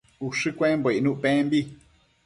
ushë cuembo icnuc pembi